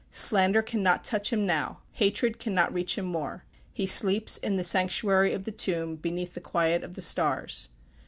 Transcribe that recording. Slander cannot touch him now hatred cannot reach him more. He sleeps in the sanctuary of the tomb, beneath the quiet of the stars.